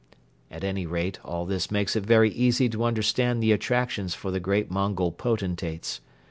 At any rate all this makes it very easy to understand the attractions for the great Mongol potentates.